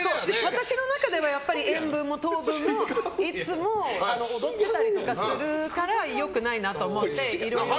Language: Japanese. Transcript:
私の中では塩分も糖分もいつも踊ってたりとかするから良くないなと思って。